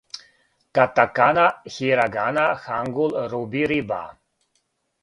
катакана хирагана хангул руби риба